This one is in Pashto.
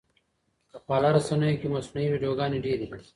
په خواله رسنیو کې مصنوعي ویډیوګانې ډېرې دي.